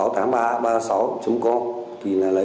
thì là lấy trang web đó